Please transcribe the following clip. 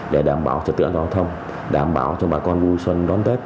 để đảm bảo cho tượng giao thông đảm bảo cho bà con vui xuân đón tết